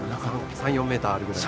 ３４ｍあるぐらい。